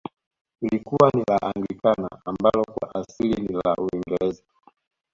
Lilikuwa ni la Anglikana ambalo kwa asili ni la uingereza